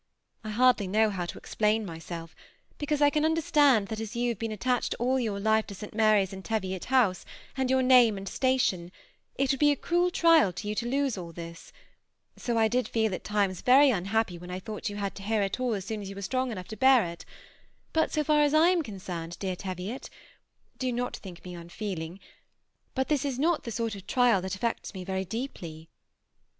I hardlj know how to px plain myself, because I can understand that as joa have been attached all your life to St. Mary's and Teviot Hoase, and your name and station, it woold be a cruel trial to you to lose all this ; so I £d feel at times very nnhappy when I thought yoa had to hear it aQ as soon as you were strong enough to bear it ; bat so far as / am concerned, dear Teviot, (do not think me onfeeHng,) but this is not the sort of trial that affects me very deeply."